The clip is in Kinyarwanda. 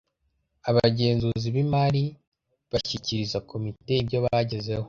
abagenzuzi b imari bashyikiriza komite ibyo bagezeho